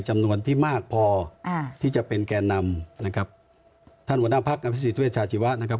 กับคนที่มากพอที่จะเป็นแก่นำนะครับท่านหัวหน้าภักรณ์อภัยสิทธิเวชาชีวะนะครับ